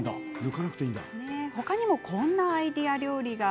ほかにもこんなアイデア料理が。